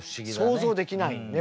想像できないね